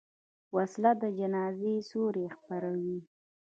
وسله د جنازې سیوري خپروي